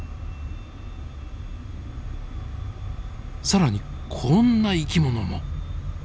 更にこんな生き物も。